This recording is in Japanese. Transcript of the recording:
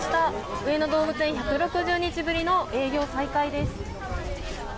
上野動物園１６０日ぶりの営業再開です。